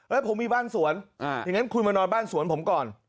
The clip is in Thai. ผมมีบ้านสวนอย่างนั้นคุณมานอนบ้านสวนผมก่อน